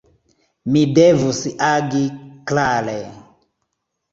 Mi devus agi klare.